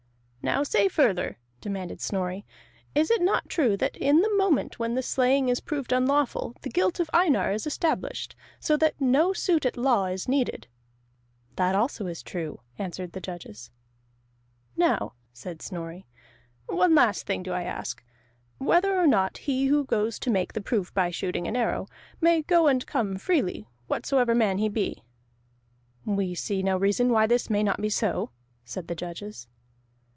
"Now say further," demanded Snorri. "Is it not true that in the moment when the slaying is proved unlawful, the guilt of Einar is established, so that no suit at law is needed?" "That also is true," answered the judges. "Now," said Snorri, "one last thing do I ask, whether or not he who goes to make the proof by shooting an arrow, may go and come freely, whatsoever man he be?" "We see no reason why this may not be so," said the judges.